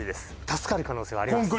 助かる可能性はあります